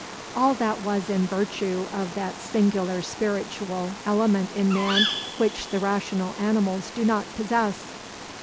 All that was in virtue of that singular spiritual element in man which the rational animals do not possess.